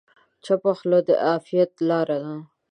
چپه خوله، د عافیت لاره ده.